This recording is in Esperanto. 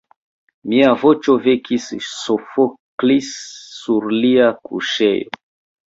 Mia voĉo vekis Sofoklis sur lia kuŝejo.